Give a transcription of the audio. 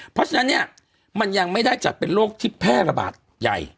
เพราะฉะนั้นเนี่ยมันยังไม่ได้จัดเป็นโรคที่แพร่ระบาดใหญ่